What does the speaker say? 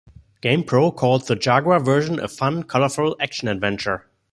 "GamePro" called the Jaguar version "a fun, colorful action adventure".